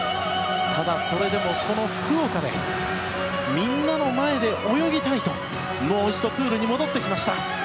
ただそれでも、この福岡でみんなの前で泳ぎたいともう一度プールに戻ってきました。